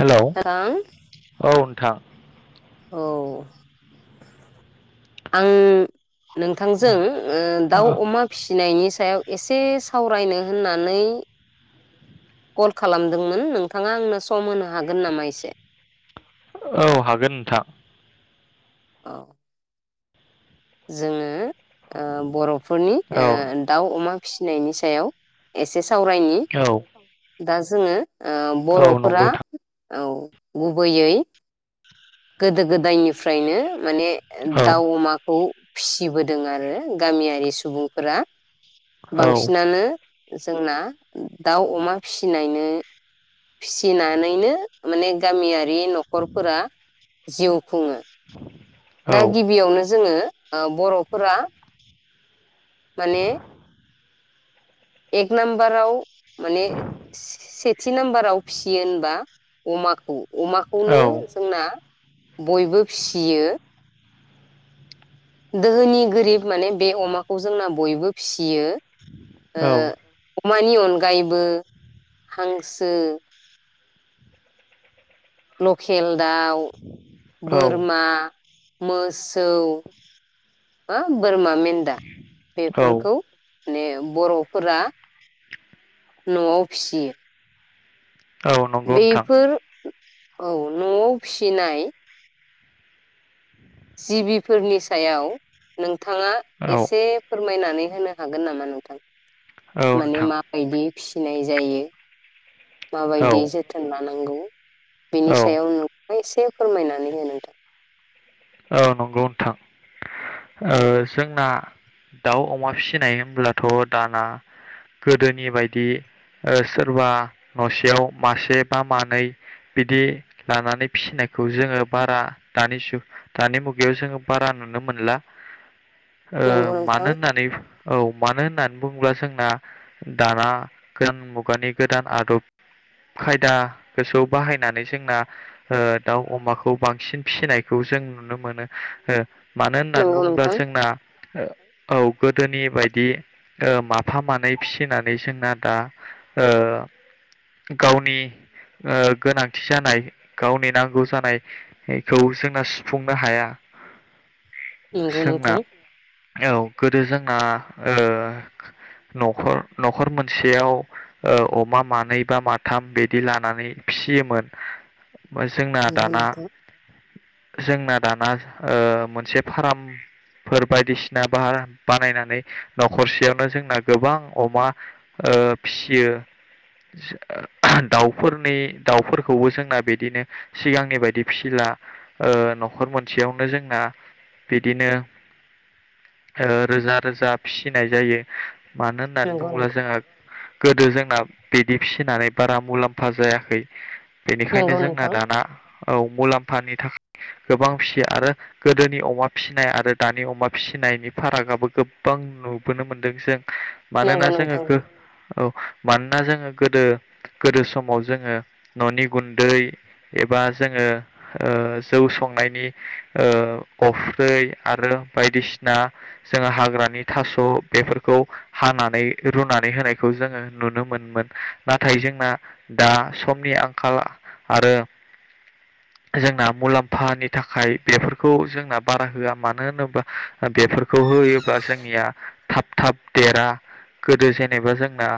Hello नोंथां औ नोंथां। औ आं नोंथांजों ओ दाउ अमा फिसिनायनि सायाव एसे सावरायनो होननानै कल खालामदोंमोन, नोंथाङा आंनो सम होनो हागोन नामा इसे? औ हागोन नोंथां। औ। जोङो ओ बर'फोरनि औ ओ दाउ, अमा फिसिनायनि सायाव एसे सा सावरायनि। औ दा जोङो ओ औ नंगौ बर'फोरा नोंथां औ गुबैयै गोदो गोदायनिफ्रायनो माने ए औ दाउ अमाखौ फिसिबोदों आरो गामियारि सुबुंफोरा औ बांसिनानो जोंना दाउ अमा फिसिनायनो फिसिनानैनो माने गामिया रि नखरफोरा जिउ खुङो। [inaudible] दा गिबियावनो जोंङो ओ बरफोरा माने एग नाम्बार आव माने से सेथि नाम्बाराव फियो होनबा अमाखौ अमा खौनो जोंना बयबो फिसियो। दोहोनि गोरिब माने बे अमाखौ जोंना बयबो फिसियो। ओ औ अमानि अनगायैबो हांसो लखेल दाउ, बोरमा मोस औ ओं बोरमा मेन्दा बेफोरखौ ने बर'फोरा नआव फिसियो। औ नंगौ नोथां। बेफोर औ नआव फिसिनाय जिबिफोरनि सायाव नों थांङा औ एसे फोरमायनानै होनो हागोन नामा नोंथां? औ माने नोंथां मा बायदि फिसिनाय जायो औ माबायदि जोथोन लानांगौ बिनि औ सायाव नोंबो एसे फोरमायनानै हो नोंथां औ नंगौ नोथां ओ औ जोंना दाउ अमा फिसिनाय होमब्लाथ दाना गोदोनि बायदि ओ सोरबा नसेयाव मासे बा मानै बिदि लानानै फिसिनायखौ जोङो बारा दानि जुग दानि मुगायाव जोंङो बारा नुनो मोनला। ओ नंगौ नोंथां मानो होननानै बुं औ मानो होननानै बुङोब्ला जोंना दाना गोदान मुगानि गोदान आदब खायदाखोसो बाहायनानै जोंना ओ दाउ अमाखौ बांसिन फिसिनायखौ जों नु नुनो मोनो ओ मानो होननानै नंगौ बुंबा नोंथां जोंना ओ औ गोदोनि बायदि ओ माफा मानै फिसिनानै जोंना दा ओ गावनि ओ गोनांथि जानाय गावनि नांगौ जानायखौ जोंना सु फुंनो हाया नंगौ सोंना औ गोदो जोंना ओ नखर नखर मोनसेयाव ओ अमा मानै बा माथाम बिदि लानानै फिसियोमोन। जोंना दाना नोंथां जोंना दाना ओ मोनसे फाराम फोर बायदिसिना बा बानायनानै नखरसेयावनो जोंना गोबां अमा ओ फियो ओ दाउफोरनि दाउफोरखौबो जोंना बिदिनो सिगांनि बायदि फिसिला ओ नखर मोनसेयावनो जोंना बिदिनो ओ रोजा रोजा फिसिनाय जायो मानो होननानै नंगौ नोंथां नंगौ बुङोब्ला नोंथां जोंहा गोदो जोंना बिदि फिसिनानै बारा मुलाम्फा जायाखै बेनिखायनो नंगौ जोंना नोंथां दाना औ मुलाम्फानि थाखाय गोबां फिसियो आरो गोदोनि अमा फिसिनाय आरो दानि अमा फिसिनायनि फारागाबो गोबबां नुबोनो मोनदों जों हो मानोना नंगौ नोंथां जोङो गो नंगौ। औ मानोना जोङो गोदो गोदो समाव जोङो ननि गुन्दै एबा जोङो ओ जौ संनायनि ओ अफ्रै आरो बायदिसिना जोङो हाग्रानि थास बेफोरखौ हानानै रुनानै होनायखौ जोङो नुनो मोनोमोन नाथाय जोंना दा समनि आंखाल आरो जोंना मुलाम्फानि थाखाय बेफोरखौ जोंना बारा होआ मानो होनोब्ला बेफोरखौ होयोब्ला जोंनिया थाब थाब देरा गोदो जेनेबा जोंना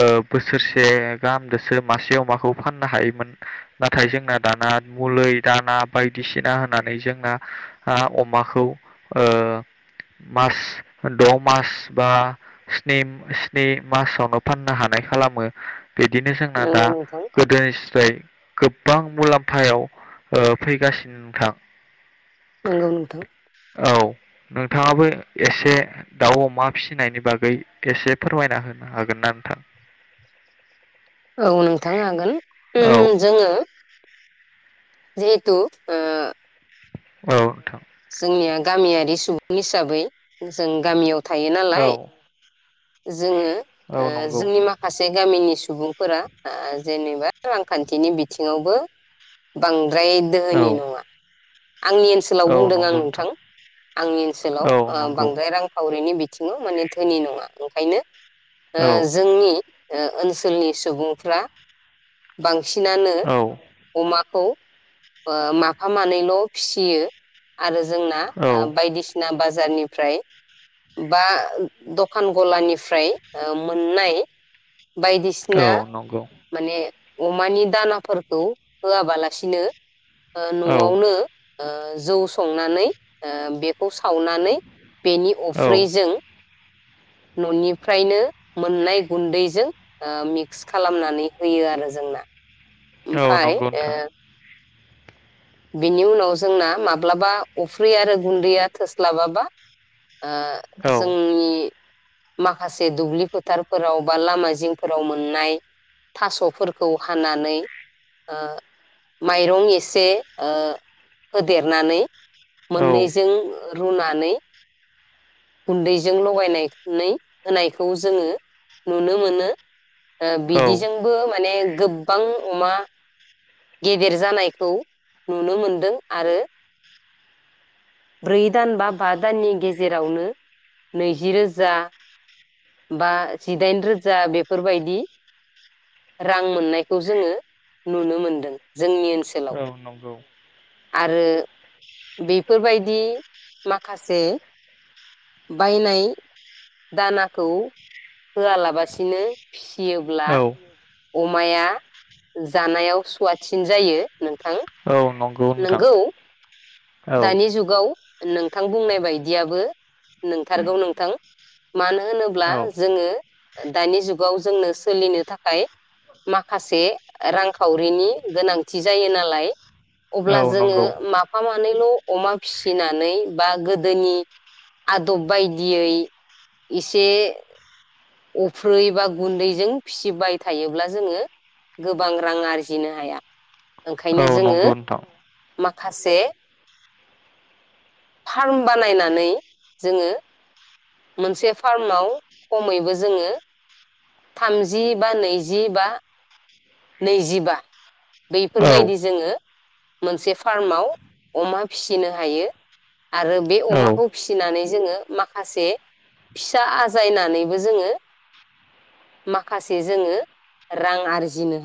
ओ बोसोरसे गाहामजोंसो मासे अमाखौ फाननो हायोमोन नाथाय जोंना दाना मलै दाना बायदिसिना होनानै जोंना आ अमाखौ ओ मास द मास बा स्नि स्नि मासावनो फाननो हानाय खालामो बिदिनो जोंना दा नंगौ नोंथां गोदोनि स्राय गोबबां मुलाम फायाव ओ फैगासिनो नोंथां नंगौ नोंथां औ नोंथाङाबो एसे दाउ अमा फिसिनायनि बागै एसे फोरमायना होनो हागोन ना नोंथां औ नोंथां हागोन औ उम जोङो जिहेथु ओ औ नोंथां जोंनिया गामियारि सुबुं हिसाबै जों गामियाव थायो औ नालाय जोङो औ ओ नंगौ जोंनि माखासे गामिनि सु सुबुंफोरा आ जेनेबा रांखान्थिनि बिथिङावबो बां द्राय औ दोहोनि नङा। आंनि औ बुंदों आं नंगौ नोंथां आंनि ओनसोलाव औ ओ नंगौ बांद्राय रांफावरिनि बि थिङाव माने धोनि नङा ओंखायनो ओ औ जोंनि ओ ओनसोलनि सुबुंफ्रा बां बांसिनानो औ अमाखौ ओ माफा मानैल फिसियो आरो जोंना औ ओ बायदिसिना बाज जारनिफ्राय बा दखान गलानिफ्राय मोननाय औ बायदिसिना नंगौ माने अमानि दानाफोरखौ होआबालासिनो ओ औ नआवनो ओ जौ संनानै ओ बे बेखौ सावनानै बेनि औ अफ्रिजों ननिफ्रायनो मोननाय गनदैजों ओ मिक्स खालामनानै होयो आरो जोंना औ ओमफाय नंगौ ओ नोंथां बिनि उनाव जोंना माब्लाबा अफ्रि आरो गुन्दैया थोस्लाबाबा ओ औ जोंनि माखासे दुब्लि फोथारफोराव बा लामा जिंफोराव मोननाय थासफोरखौ हानानै ओ माइरं एसे ओ होदेरनानै औ मोननैजों ओ रुनाानै गुन्दैजों लगायनाय नै होनायखौ जोङो नुनो मोनो। ओ औ बिदिजोंबो माने गोबां अमा गेदेर जानायखौ नुनो मोनदों आरो ब्रै दान बा बा दाननि गेजेरावनो नैजि रोजा। बा जिदाइन रोजा बेफोरबायदि रां मोननायखौ जोङो नुनो मोनदों जोंनि औ ओनसोलाव। नंगौ। आरो बेफोर बायदि माखासे बायनाय दानाखौ होआ लाबासिनो। फियोब्ला औ अमाया जानायाव सुवाथसिन जायो नोंथां। नोंगौ नोंथां। औ दानि जुगाव नोंथां बुंनाय बायदियाबो नोंथारगौ नोंथां मानो होनोब्ला औ जोङो दानि जुगाव जोंनो सोलिनो थाखाय माखासे रांखावरिनि गोनांथि जायो नालाय अब्ला औ जोङो नंगौ माफा मा नैल' अमा फिसिनानै बा गोदोनि आदब बायदियै एसे अफ्रैबा गुन्दैजों फिसिबाय थायोब्ला जोङो गोबां रां आरजिनो हाया। ओंखायनो जोङो नोंगौ नोंथां। माखासे फार्म बानायनानै जोङो मोनसे फार्माव खमैबो जोङो थामजि बा नैजि बा नैजिबा औ बैफोरबायदि जोङो मोनसे फार्माव अमा फिसिनो हायो आरो बे औ अमाखौ फिसिनानै जोङो माखासे फिसा आजायनानैबो जोङो माखासे जोङो रां आरजिनो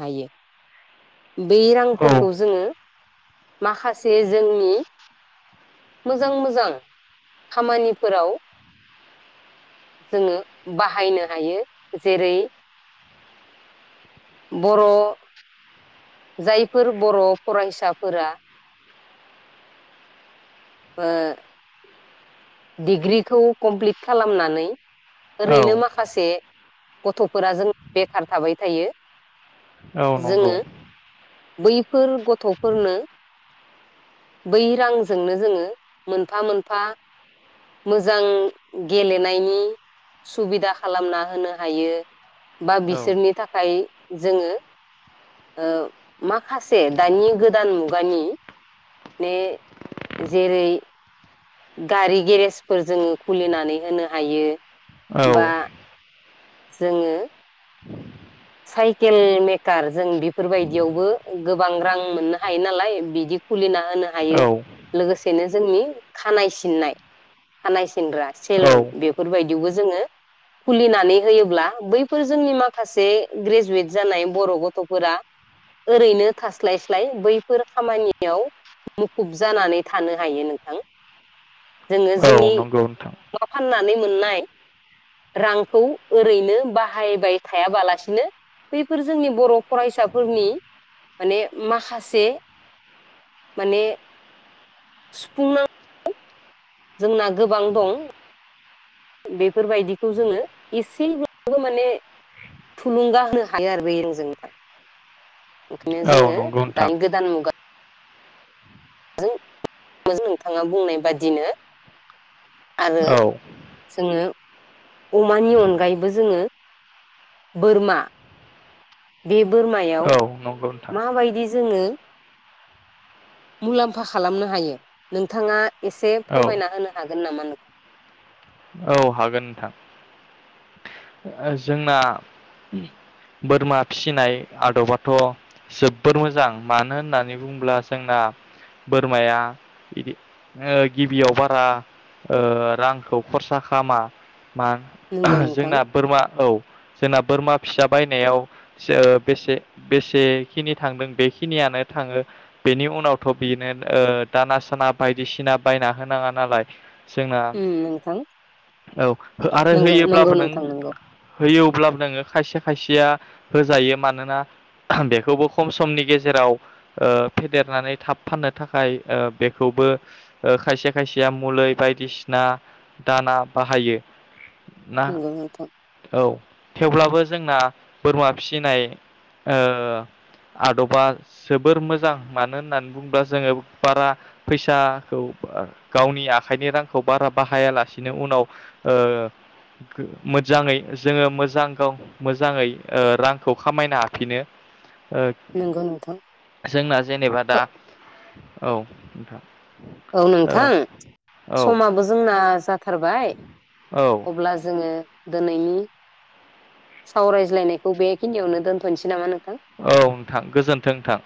बै रांफोरखौ जोङो माखासे जोंनि मोजां मोजां खामानिफोराव जोङो बाहायनो हायो जेरै बर' जायफोर बर' फरायसाफोरा ओ डिग्रिखौ कमप्लिट खालामनानै ओरैनो औ माखासे गथ'फोरा जों बेखार थाबाय थायो औ नंगौ। जोङो बैफोर गथ'फोरनो बै रांजोंनो जोङो मोनफा मोनफा मोजां गेलेनायनि सुबिदा खालामना होनो हायो। बा औ बिसोरनि थाखाय जोङो माखासे दानि गोदान मुगानि ने जेरै गारि गेरेजफोर जोङो खुलिनानै होनो हायो बा औ जोङो। साइकेल मेकार जों बेफोर बायदियावबो गोबां रां मोननो हायो नालाय बिदि खुलिनो हा होनो हायो। औ लोगोसेनो जोंनि खानाय सिननाय खानाय सिनग्रा सेलन औ बेफोर बायदियावबो जोङो खुलिनानै होयोब्ला बैफोर जोंनि माखासे ग्रेजुवेट जानाय बर' गथफोरा ओरैनो थास्लाय स्लाय बैफोर खामानियाव मुखुब जानानै थानो हायो नोंथां जोङो। अ जोंनि नोंगौ नोंथां। मा फाननानै मोननाय रांखौ ओरैनो बाहायबाय थायाबालासि बिनो बैफोर जोंनि बर' फरायसाफोरनि माने माखासे माने सुफुंनां जोंना गोबां दं। बेफोर बायदिखौ जोङो एसेब्लाबो माने थुलुंगा होनो हायो आरो बेजों ओंखायनो औ जोङो नंगौ नोंथां दानि गोदान मुगा नोंथाङा बुंनाय बादिनो आरो औ जोङो अमानि अनगायैबो जोङो बोरमा बे बोरमायाव औ नंगौ नोंथां माबायदि जोङो मुलाम्फा खालामनो हायो नोंथाङा एसे औ फोरमायना होनो हागोन नामा? औ हागोन नोंथां। जोंना बोरमा फिसिनाय आदबाथ जोबबोर मोजां मानो होननानै बुङोब्ला जोंना बोरमाया बिदि गिबियाव बारा रांखौ खरसा खामा मा नंगौ नोंथां जोंना बोरमा औ। जोंना बोरमा फिसा बायनायाव बेसे बेसेखिनि थांदों बेखिनियानो थाङो बेनि उनावथ बिनो दाना साना बायदिसिना बायना होनाङा नालाय। जोंना उम नोंथां औ आरो नंगौ होयो नंगौ अब्लाबो नों नोंथां नंगौ होयो अब्लाबो नोङो खायसे खायसेया होजायो मानोना बेखौबो खम समनि गेजेराव फेदेरनानै थाब फाननो थाखाय बेखौबो खायसे खायसेया मलै बायदिसिना दाना बाहायो। ना नंगौ नोंथां औ थेवब्लाबो ज जोंना बोरमा फिसिनाय ओ आदबा जोबोर मोजां मानो होननानै बुङोब्ला जोङो बारा फैसाखौ गावनि आखाइनि रांखौ बारा बाहायालासिनो उनाव ओ मोजाङै जोङो मोजां गाव मोजाङै रांखौ खामायनो हाफिनो। ओ नंगौ नोंथां जोंना जेनेबा दा औ। नोंथां औ नोंथां ओ औ समाबो जोंना जा थारबाय औ अब्ला जोङो दोनैनि सावरायज्लायनायखौ बेखिनियावनो दोनथनोसै नामा नों थां औ नोंथां गोजोन्थों नोंथां।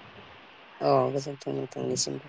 औ गोजोनथों नोंथांनिसिमबो।